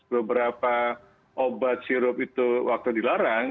beberapa obat sirup itu waktu dilarang